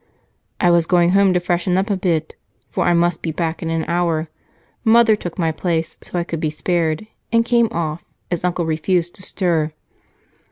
"I was going home to freshen up a bit, for I must be back in an hour. Mother took my place, so I could be spared, and came off, as Uncle refused to stir."